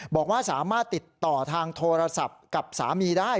บอกว่าสามารถติดต่อทางโทรศัพท์กับสามีได้